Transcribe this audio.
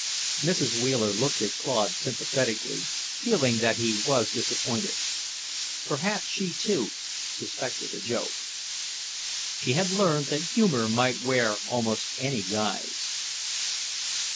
Mrs. Wheeler looked at Claude sympathetically, feeling that he was disappointed. Perhaps she, too, suspected a joke. She had learned that humour might wear almost any guise.